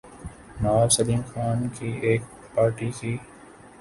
نواب سیلم خان کی ایک پارٹی کی